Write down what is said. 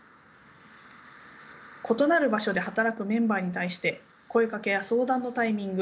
異なる場所で働くメンバーに対して声かけや相談のタイミング